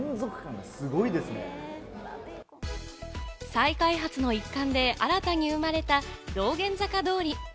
再開発の一環で新たに生まれた道玄坂通。